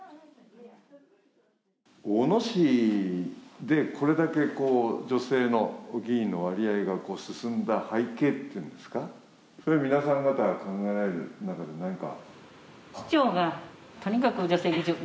小野市でこれだけ女性の議員の割合が進んだ背景、それは皆さん方が考えられる中で何か？